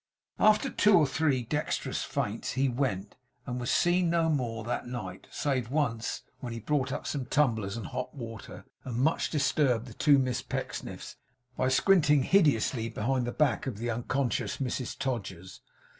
After two or three dexterous feints, he went, and was seen no more that night, save once, when he brought up some tumblers and hot water, and much disturbed the two Miss Pecksniffs by squinting hideously behind the back of the unconscious Mrs Todgers.